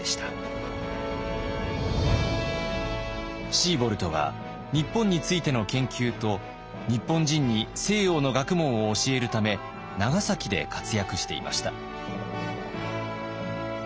シーボルトは日本についての研究と日本人に西洋の学問を教えるため長崎で活躍していました。